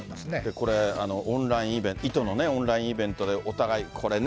これ、オンラインイベント、糸のね、オンラインイベントでお互い、これね。